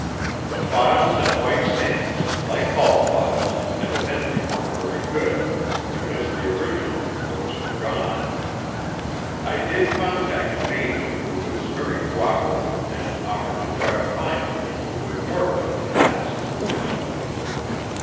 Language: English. The files at White Sands, like all files, evidently weren't very good, because the original reports were gone. I did contact a major who was very co operative and offered to try to find the people who had worked on the analysis of the film.